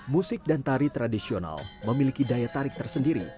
musik dan tari tradisional memiliki daya tarik tersendiri